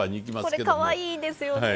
これかわいいですよね。